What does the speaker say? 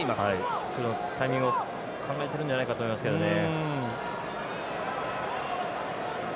キックのタイミングを考えているんじゃないかと思いますけどね。